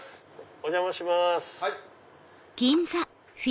お邪魔します。